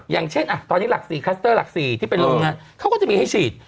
อย่างเช่นตอนนี้หลัก๔คลัสเตอร์หลัก๔ที่เป็นโรงงานเขาก็จะมีให้ฉีด